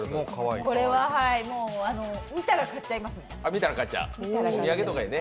これは見たら買っちゃいますね。